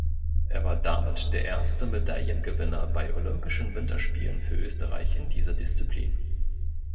Er war damit der erste Medaillengewinner bei Olympischen Winterspielen für Österreich in dieser Disziplin.